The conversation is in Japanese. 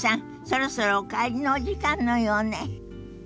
そろそろお帰りのお時間のようね。